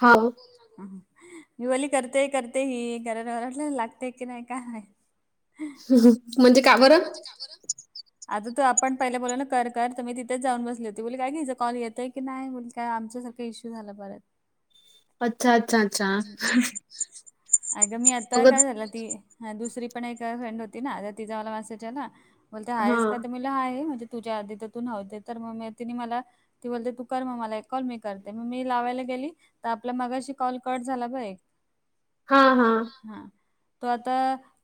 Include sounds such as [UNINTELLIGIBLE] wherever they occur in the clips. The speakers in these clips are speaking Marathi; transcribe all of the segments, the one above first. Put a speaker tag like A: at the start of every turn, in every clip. A: हां व
B: हम् ही वाली करते करते हि घरा वाटलं लागते कीं माहित [UNINTELLIGIBLE]
A: हं हं म्हणजे का बरं? [INAUDIBLE]
B: आता तू आपण पहिला बोला ना कर -कर, मी, तिथेच जाऊन बसली होती, ति बोली काय ग हिचा कॉल येतय की नाही बोली, नाय आमच्या सारखा इश्यू झाला परत
A: अच्छा अच्छा अच्छा हं हं
B: अगं मी आता काय झालं, ती हां दुसरी पण एक फ्रेंड होती ना, तिचा मला मेसेज आला, बोलते आहेस का? त मनल आहे, म्हणजे तुझ्या आधी तू नव्हते तर, मग तिने मला ती बोलते तू कर मग मला कॉल मी करते, मग मी लावायला गेली तर आपल्या मगाशी कॉल कट झाला पहा एक?
A: हा हा
B: हा, तो आता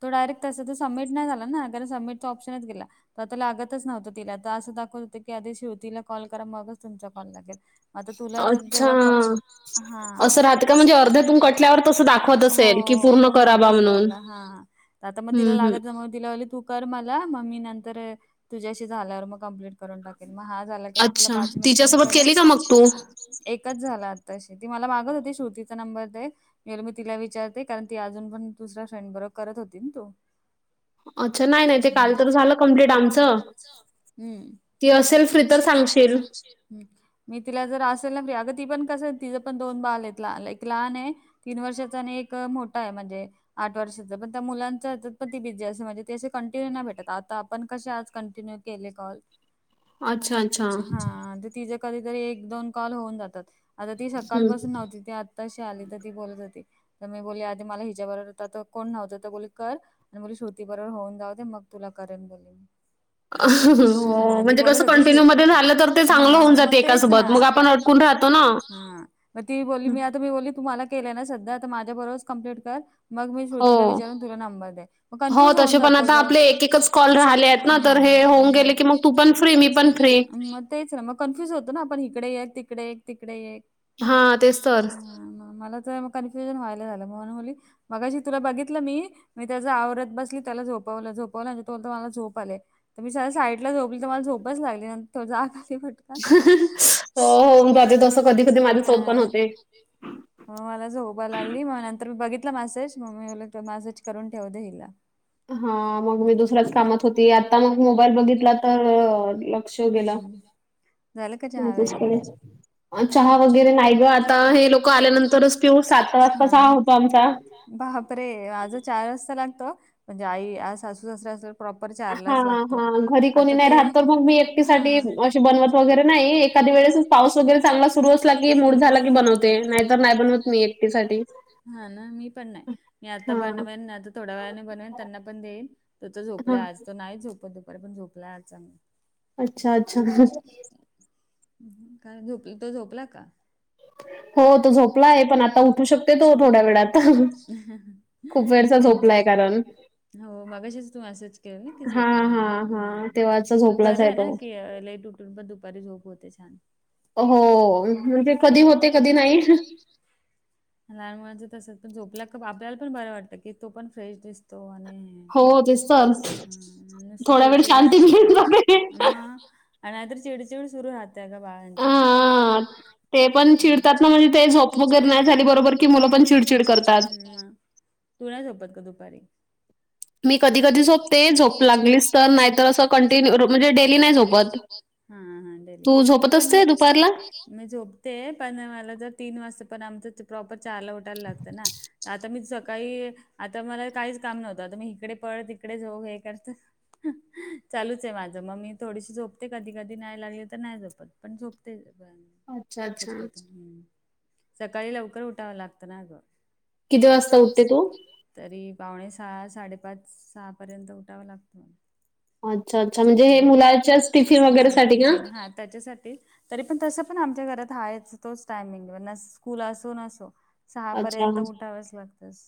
B: तो डायरेक्ट तस तर सबमिट नाही झाला ना, कारण सबमिटचा ऑप्शनच गेला. तर आता लागतच नव्हतं तिला, तर असं दाखवत होत की, आधी शिवतीला कॉल करा मगच तुमचा कॉल लागेल. आता तुला जर जेव्हा कॉल, हा हो हो, तस झालं हा, आता मग तिला लागत तिला तू कर मला, मग मी नंतर तुझ्याशी झाल्यावर मग कंप्लीट करून टाकेन, मग हा झाला की मी तुला पाच मिनटाने करेन. एकच झालं आताशी, ती मला मागत होती श्रुतीचा नंबर दे येल मी तिला विचारते, कारण ती अजून पण दुसऱ्या फ्रेंड बरोबर करत होती तो
A: अच्छा! ना
B: अच्छा नाही नाही, ते काल तर झालं कमप्लीट आमचं. हम्म ती असेल फ्री तर सांगशील. हम्म मी तिला जर असेल ना, अगं ती पण कसं आहे, तिचें पण दोन बाल आहेत, एक लहान ये तीन वर्षाच, आणि एक मोठा आहे. म्हणजे आठ वर्षाच, पण मुलांच ह्याच्यात पण ती बीजी असंते, म्हणजे ती असे कंटिन्यू नाही भेटत, आता आपण कसे आज कंटिन्यू केले कॉल
A: हो [INAUDIBLE]
B: हा, ते तिचे कधीतरी एक दोन कॉल होऊन जातात. आता ती सकालपासून नव्हती, ती आत्ताशी आली तर ती बोलत होती तर मी बोलली आधी, मला हिच्याबरोबर, तर कोण नव्हतं तर बोलली कर. आणि बोले श्रुती बरोबर होऊन जाऊ दे, मग तुला करेन बोले मी. हा, ती बोलत होती, हा, मग तेच ना हा, मग ती बोलली मी, आता मी बोलली, तु मला केलंय ना सध्या, आता माझ्यारोबरच कम्प्लीट कर मग मी श्रुतीला विचारून तुला नंबर दे, मग कन्फ्युज होऊन जातो ग हा म, [UNINTELLIGIBLE] पण मग तेच ना, मग कन्फ्युज होतो ना आपण, इकडे एक, तिकडे एक, तिकडे एक. मला तर कन्फ्युजन व्हायला झालं, म्हणून [UNINTELLIGIBLE] मघाशी तुला बघितलं मी मी त्याच आवरात बसली, त्याला झोपवलं, झोपवलं आणि तो म्हणतो मला झोप आलीये. तर मी त्याच्या साईडला झोपली, तर मला झोपच लागली नाही, [UNINTELLIGIBLE]
A: हो हो, होऊन जातय तस कधी कधी, माझे सोबत पण होते.
B: हो, मला झोप लागली, मग नंतर मी बघितलं मेसेज मग मी म्हणाल मेसेज करून ठेवते हिला.
A: हा, मग मी दुसऱ्याच कामात होते, आता मग मोबाईल बघितला तर
B: हम्म. झालं का चहा वगैरे?
A: चहा वगैरे नाही ग, आता हे लोक आल्यानंतरच पिऊ, सात वाजता चहा होता आमचा.
B: बापरे! [UNINTELLIGIBLE] चार वाजता लागतो, म्हणजे आई आज सासू सासरा अस
A: हा हा, घरी कोणी नाही राहात, तर मग मी एकटी साठी अशी बनवत वगैरे नाही, एखादी वेळेस पाऊस वगैरे चांगला सुर अस की मूड झाला की बनवते, नाहीतर नाही बनवत मी एकटीसाठी.
B: नाही, मी आता बनवेन थोड्या वेळाने बनवेन, त्यांना पण देईन. तो झोपलाय आज, तो नाही झोपत दुपारी पण ला चांग [UNINTELLIGIBLE] काय, झोप तो झोपला का? [INAUDIBLE] एकदा, हो मगाशीच मेसेज केले ना, की झोपलाय म्हणून हा. पण बरं आहे ना, की लेट उटून पण दुपारी झोप होते छान.
A: हो, म्हणजे कधी होते कधी नाही.
B: लहान मुलांच तस पण झोपल्या तर आपल्याला पण बरं वाटतं की तो पण फ्रेश दिसतो आणि नस चेडचेड सुरूतात म [UNINTELLIGIBLE] [INAUDIBLE] आणि नाही तर चिडचिड सुरू राहतेय बघा. ते पण चिडतात ना म्हणजे झ
A: झाली बरोबर कि मुलं पण चिडचिड करतात.
B: ह. तु नाही झोपत का दुपारी? मी कधी कधीच झोपते, झोप लागली तर नाहीतर असं कंटिन्यू म्हणजे डेली नाही झोपत. हा हा मि पण. मी झोपते पण मला जर तीन वाजतापर्य आमचं प्रॉपर चारला उटायला लागत ना आता मी काही आता मला काहीच काम नव्हतंता तर मी इकडे पळ तिकडे जाऊ हे करत चालूच आहे माझं मग मी थोडीशी झोपते कधी-कधी नाही लागली तर नाही झोपत पण झोपतेच. शक्यता्, सकाळी लवकर उठावं लागतं ना.
A: किती वाजता उठते तू?
B: तरी पाऊणे सहा, साडेपाच, सहा पर्यंत उठावं लागतं मला. अच्छा! अच्छा! म्हणजे [UNINTELLIGIBLE] हा हा त्याच्यासाठी. तरी पण तसं पण आमच्या घरात हायचं तोच टायमिंग स्कूल असो नसो. सहा पर्यंत उठावच लागतस.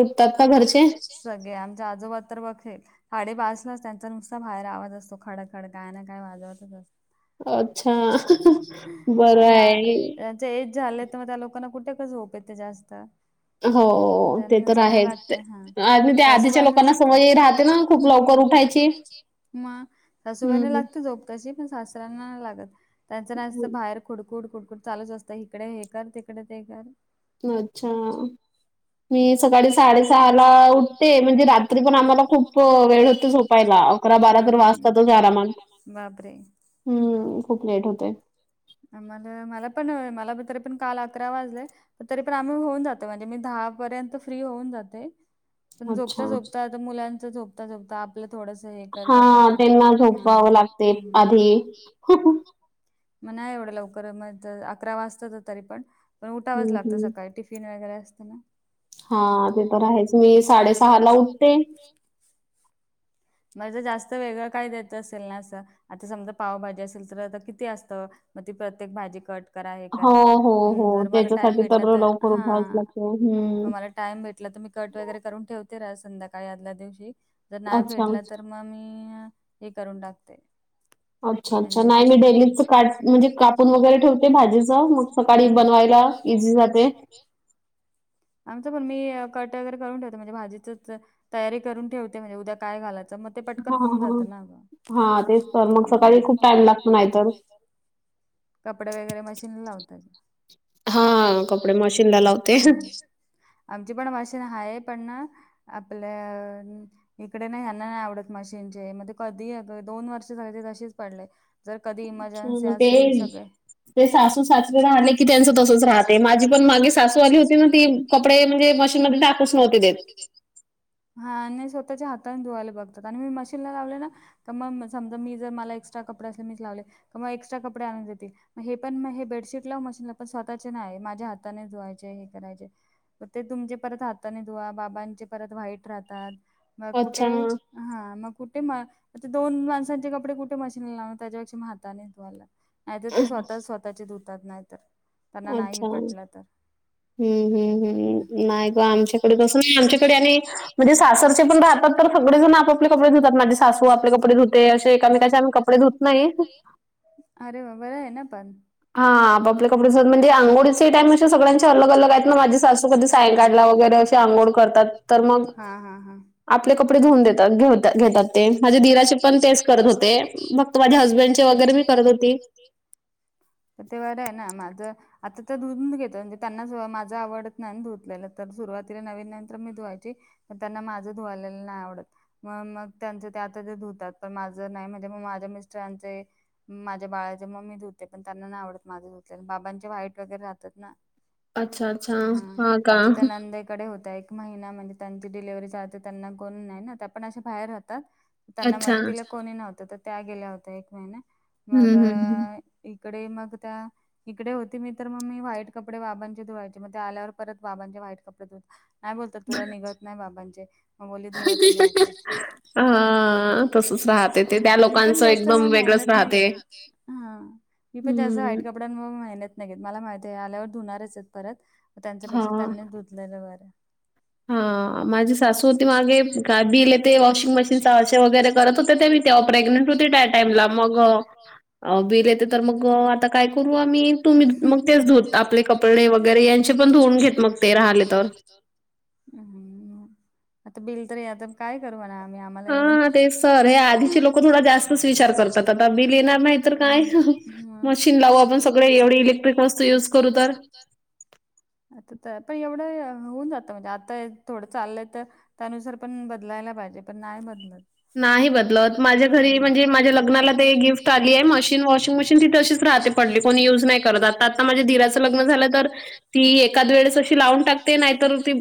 B: [UNINTELLIGIBLE] सगळे आमच्या आजोबाात तर बघेल. साडेपाच नुसता बाहेर आवाज असतो खडखड काय ना काय वाजवतच असत्यात. अच्छा! अ [UNINTELLIGIBLE] एज झालं तर मग त्या लोकांना कुठे काय झोपे येते जास्त. ज्यांना-ज्यांना लागते हा सासूबांना लागते. [UNINTELLIGIBLE] उठायची. मग सासूबाईना लागते झोप तशी पण सासऱ्यांना लागत त्यांचं नाहीत बाहेर खुडकुड, खुडकूड चालूच असतं इकडे हे कर, तिकडे ते कर.
A: अच्छा! मी सकाळी साडेसहा ला उठते म्हणजे रात्री पण आम्हाला खूप वेळ होते झोपायला.
B: हम्र, [UNINTELLIGIBLE] बापरे!
A: हुं खूप लेट होतय.
B: आ मला, मला पण मला तरी पण काल अकरा वाजलं. तरी पण आम्ही होऊन जातो म्हणजे मी दहा पर्यंत फ्री होऊन जाते. पण झोपता-झोपता आता मुलांच झोप ता झोपता आपलं थोडस हे करता करता हम्म, हम्म.
A: [UNINTELLIGIBLE]
B: मग नाही एवढं लवकर म अकरा वाजता तर तरी पण पण उठावच लागतं सकाळी टिफि फिन वगैर असत ना.
A: हा ते तर आहेच मी साडेसहा ला उठते.
B: म्हणजे जास्त वेगळं काय देत असेल ना असं आता समझा पावभाजी असेल तर आता किती असतं मग ती प्रत्येक भाजी कट करा हे करा जर मला टाईम भेटल तर हा मग घरा टाईम भेटला तर मी कट वगैरे करून ठेवते संध्याकाळी आदल्या दिवशी नाही भेट तर मग मी हे करून टाकते. म्हणजे, हम्म. [UNINTELLIGIBLE] आमचं पण, मी कट वगैरे करून ठेवते, म्हणजे भाजीचच तयारी करून ठेवते, म्हणजे उद्या काय घालायचं, मग ते पटकन होऊन जात ना ग. कपडे वगैरे मशीन लावता
A: हा, कपडे मशीनला लावते.
B: आमची पण मशीन हाय, पण ना आपल्या इकडे नाही, ह्यांना नाही आवडत मशीनचे, म ते कधी अगं, दोन वर्ष झालं ते तशीच पडले. जर कधी इमर्जन्सी असेल, सगळे
A: ते सासू सासरे राहले की त्यांचं तसच राहतय, माझी पण मागे सासू आली होती ना ती कपडे म्हणजे, मशीनमध्ये टाकूच नव्हते देत.
B: हा, आणि स्वतःच्या हाताने धुवायला बघतात, आणि मी मशीन लावले ना तर मग समजा मी जर मला एक्स्ट्रा कपडे असले मीच लावले, तर मग एक्स्ट्रा कपडे आणून देतील मग हे पण म हे बेडशीट लाव मशन पण स्वतःचे नाही, माझ्या हाताने धूवायचे, हे करायचे. ते तुमचे परत हाताने धुवा, बाबांचे परत वाईट राहतात, मग कुठे हा, मग कुठे म, दोन माणसांचे कपडे कुठे मशीनला लावू, त्याच्यापेक्षा मग हाताने धूवायला लाग नाही तर ते स्वतःच स्वतःचे धुतात नाही तर, त्यांना नाही पटलं तर.
A: हम्म, हम्, हम्म. नाही ग आमच्याकडे तसं नाय, आमच्याकडे आणि म्हणजे, सासरचे पण राहतात तर, सगळे जण आपपले कपडे धुतात म सासू आपले कपडे धुते, असे एकामेकाच्या कपडे धुत नाही.
B: अरे बापरे, बरं आहे ना पण. हा. [UNINTELLIGIBLE] [INAUDIBLE] [INAUDIBLE] हा हा हा.
A: आपले कपडे धुवून देतात घेतात ते, माझे दिराचे पण तेच करत होते, बघ माझ्या हस्बंडचे वगैरे मी करत होती.
B: ते बरं आहे ना, माझं आता ते धुन घेत, म्हणजे त्यांना माझं आवडत नाही ना धुतलेलं, तर सुरुवातीला नवीन नंतर मी धुवायचे त्यांना माझं धुवालेल नाही आवडत. मग मग त्यांच ते आता ते धुतात, पण माझ नाही, म्हणजे मग माझ्या मिस्टरांचे माझ्या बाळाचे म मी धुते, पण त्यांना नाही आवडत माझे धूतलेल, बाबांचे वाईट वगैरे राहतात ना हा, आता त्या नंदेकडे होत महिना म्हणजे, त्यांची डिलेव्ही चाते त्यांना कोण नाही ना, त्या पण अशा बाहेर राहतात. त्यांना मदतीला कोणी नव्हतं तर, त्या गेल्या होत्या एक महिने, मग इकडे मग त्या इकडे होते मी तर मग मी वा्हाईट कपडे बाबांचे धुवायचे, मग ते आल्यावर परत बाबांचे व्हाईट कपडे धुत नाही बोलतात, तुला निघत नाही बाबांचे, मग बोली धुवा तुम्ही आपले मी पण जास्त मग मेहनत नाही घेत हा, [UNINTELLIGIBLE] जास्त व्हाईट [UNINTELLIGIBLE] मेहनत नाही घेत, मला माहिती आहे, आल्यावर धुणारच आहेत परत त्याच्यापेक्षा त्यांनीच धुतलेलं बरं
A: हा, माझी सासू होती मागे, [UNINTELLIGIBLE] ते वॉशिंग मशीनच [UNINTELLIGIBLE] वगैरे करत होत ते मी तेव्हा प्रेग्नेंट होती त्या टाइमला, मग
B: [INAUDIBLE] [UNINTELLIGIBLE] [INAUDIBLE] आपले कपडे वगैरे यांचे पण धुवून घेत मग ते राहिले तर हम्! आता बिल तरी याता काय करू म्हणा आम्ही? आम्हाला एवढं लक? अजची लोकं थोडा जास्तच विचार कर
A: लिणार नाही तर काय? मशीन लावू आपण सगळे एवढे इलेक्ट्रिक वस्तू युज करू तर
B: आता त आता पण एवढं होऊन जातं, म्हणजे आता थोडं चाललंय तर त्यानुसार पण बदलायला पाहिजे, पण नाही बदलत.
A: नाही बदलत माझ्या घरी, म्हणजे माझ्या लग्नाला गिफ्ट आली ये मशीन, वॉशिंग मशीन ति तशीच राहते पडली, कोणी युज नाही करत, आता-आता माझ्या दिराचं लग्न झालं तर ती एकाद वेळेस अशी लावून टाकते, नाहीतर ती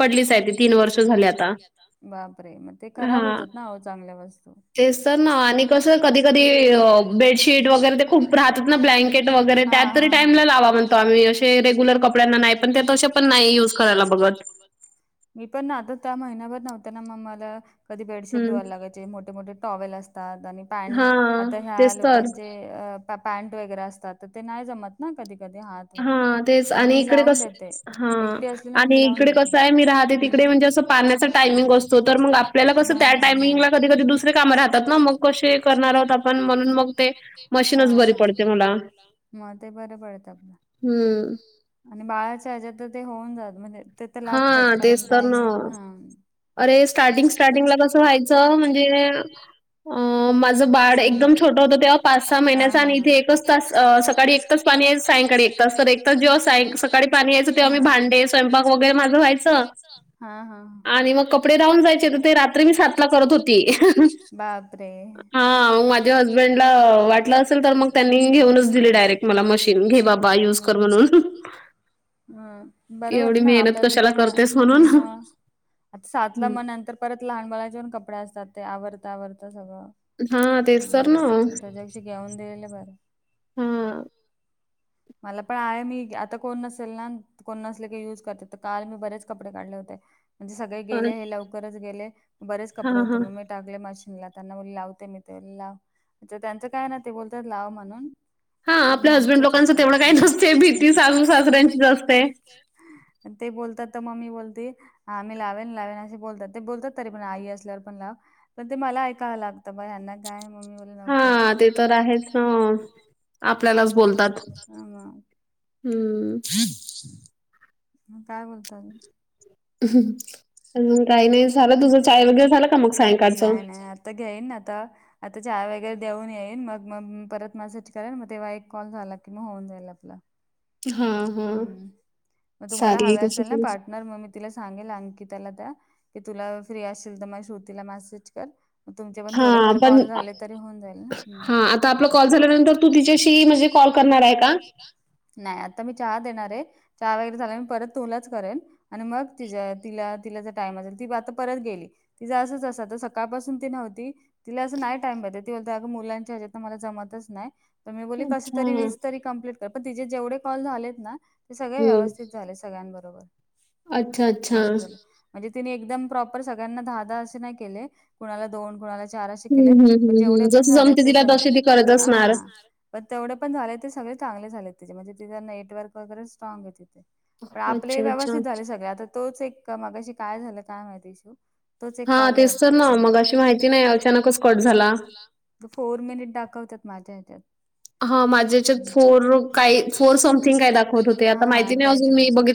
A: पडलीच आहे त-तीन वर्ष झाली आता.
B: बाप, रे मग ते खराब होतात नाओ चांगल्या वस्तू.
A: स्त ना ओ आणि कस कधी-कधी बेडशीट वगैरे ते खूप राहतात ना, ब्लँकेट वगैरे त्यात तरी टाईमला लावा म्हणतो आम्ही, अशे ते रेग्युलर कपड्यांना नाही पण, ते तशे पण नाही युज करायला बघत.
B: मी पण ना आता त्या महिना्भर नव्हते ना, मग मला कधी बेडशीट धुवायला लागायचे, मोठे-मोठे टॉवेल असतात आणि पॅन्ट आता ह्या लोकांचे ते पॅन्ट वगैरे असतात, ते नाही जमत ना कधी-कधी हात म मी लावून देते, एकटी असलेला म मी लावून देते.
A: पाण्याचा टायमिंग असतो, तर मग आपल्याला कसं त्या टायमिंगला कधी-कधी दुसरे काम राहतात ना, मग कशे करणार आहॊत आपण म्हणून मग ते, मशीनच बरी पडते मला.
B: मग ते बरं पडत, आपलं.
A: हम्म.
B: आणि बाळाच्या ह्याच्यात ते होऊन जात, त ते तर लागतच कारण टायमिंग, हां.
A: अरे स्टार्टिंग-स्टार्टिंगला कसं व्हायचं, म्हणजे अ माझं बाळ एकदम छोटं होतं, तेव्हा पाच सहा महिन्याच आणि इथे एकच तास, सकाळी एक तास पाणी सायंकाळी एक तास, तर जेव्हा साय सकाळी पाणी यायचं तेव्हा मी भांडे, स्वयंपाक वगैरे माझं व्हायचं.
B: धुवायचं? हां हां.
A: आणि मग कपडे राहून जायचे, तर ते रात्री मी सातला करत होती हं हं.
B: त्रे
A: हं माझ्या हजबंडला वाटलं असेल तर, मग त्यांनी घेऊनच दिली डायरेक्ट मला मशीन, घे बाबा युज कर म्हणून.
B: हं बरोबर ना, आपल्याला पण म आता सातला मग नंतर परत लहान बाळाचे पण कपडे असतात, ते आवरता- आवरत सगळं. [UNINTELLIGIBLE] म त्याच्यापेक्षा घेऊन दिलेलं बरं. मला पण आहे मी, आता कोण नसेल ना. कोण नसले की युज करते, तर काल मी बरेच कपडे काढले होते. म्हणजे सगळे गेले, हे लवकरच गेले, बरेच कपडे होते, म-मी टाकले मशीनला. त्यांना बोले लावते मी, ते बोले लाव, तर त्यांचं काय ना ते बोलतात लाव म्हणून
A: हा आपल्या हजबंड लोकांचं तेवढं काही नसतय, भीती सासु साजऱ्यांचीच असते.
B: ते बोलतात, तर म मी बोलते हा मी लावेन-लावेन असे बोलतात, ते बोलतात तरी पण आई असल्यावर पण लाव पण ते मला आई कायला लागतं, ब ह्यांना काय म मि नको आपल्यालाच बतात [UNINTELLIGIBLE]
A: हम्म.
B: मग काय बोलता आजून?
A: हं, पण म काही नाही झालं तुझं चाय वगैरे झाला का, मग सायंकाळचं?
B: आता, घईन आता. आता चहा वगैरे देऊन येईन, मग-मग परत माझ्या करल, मग तेव्हा एक कॉल झाला की मग, होऊन जाईल आपला.
A: हा हा चाली तिच्या कडून
B: मग म मी तिला सांगेल अंकिताला त्या की तुला फ्री असशील तर श्रुतीला मॅसेज कर. तुमचे पण थोडेफार कॉल झाले तरी होऊन जाईल ना? हा तुम्ही कॉल करणार आहे का? नाय आता मी चहा देणार आहे चहा वगैरे झाल्यावर परत तुलाच करेन आणि मग तिजं तिला तिला जर टाइम असल ती आता परत गेली. तिचं असंच असतं. आता सकाळपासून ती नव्हती तिला असं नाही टाइम भेटत. ती बोलते अगं मुलांच्या ह्याच्यात मला जमतच नाय. त मी बोलली कस तरी वीस तरी कम्प्लीट कर पण तिचेे जेवढे कॉल झालेत ना ते सगळे व्यवस्थित झाले सगळ्यांबरोबर असं झालं म्हणजे तिने एकदम प्रॉपर सगळ्यांना दहा दहा असे नाही केले, कुणाला दोन कुणाला चार अशे केलेत पण जेवढे पण झाले ते सगळे हा. पण तेवढे पण झालेय ते सगळे चांगले झालेेत म्हणजे तिथं नेटवर्क वगैरे स्ट्रँग आहे तिथे. पण आपले व्यवस्थित झाले सगळे आता तोच एक मगाशी काय झालं काय माहित इशू तोच एक कॉल त फोर मिनिट दाखवतात माझ्या ह्याच्यात
A: हा माझ्या याच्यात फोर काई फोर समथिंग काय दाखवत होते आता माहिती नाही अजून मी बघित